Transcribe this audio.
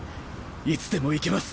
いつでもいけます。